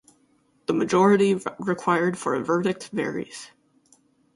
The majority required for a verdict varies.